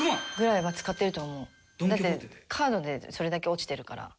だってカードでそれだけ落ちてるから。